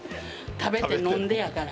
食べて飲んでやから。